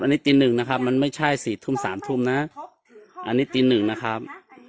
อันนี้ตีหนึ่งนะครับมันไม่ใช่๔ทุ่ม๓ทุ่มนะอันนี้ตีหนึ่งนะครับ